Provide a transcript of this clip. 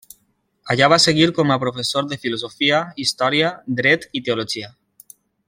Allà va seguir com a professor de filosofia, història, dret i teologia.